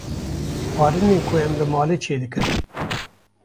Xwarinên ku em li malê çê dikin